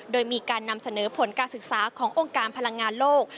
โดยมีการนำเสนอผลการศึกษาขององค์การพลังงานโลก